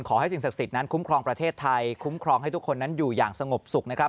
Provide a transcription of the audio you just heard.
สิ่งศักดิ์สิทธิ์นั้นคุ้มครองประเทศไทยคุ้มครองให้ทุกคนนั้นอยู่อย่างสงบสุขนะครับ